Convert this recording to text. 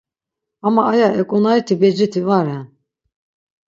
Ama aya eǩonariti beciti va ren.